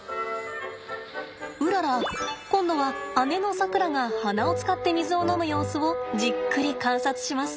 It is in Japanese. うらら今度は姉のさくらが鼻を使って水を飲む様子をじっくり観察します。